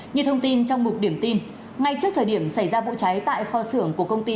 như thông tin trong mục điểm tin ngay trước thời điểm xảy ra vụ cháy tại kho xưởng của công ty